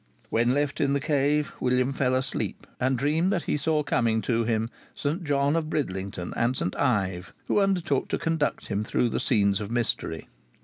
When left in the cave, William fell asleep, and dreamed that he saw coming to him St. John of Bridlington and St. Ive, who undertook to conduct him through the scenes of mystery.